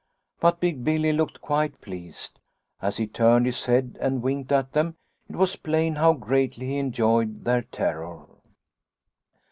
But Big Billy looked quite pleased. As he turned his head and winked at them, it was plain how greatly he enjoyed their terror.